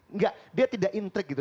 enggak dia tidak intrik gitu